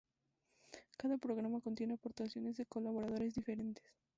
Cada programa contiene aportaciones de colaboradores diferentes.